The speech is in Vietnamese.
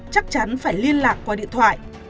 chắc chắn phải liên lạc qua điện thoại